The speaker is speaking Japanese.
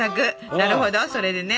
なるほどそれでね。